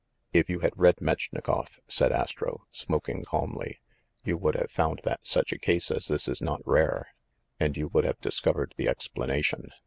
"If you had read Metchnikoff," said Astro, smoking calmly, "you would have found that such a case as this is not rare; and you would have discovered the ex planation.